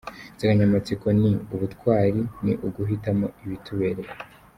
Insanganyamatsiko ni : “Ubutwari ni uguhitamo ibitubereye”.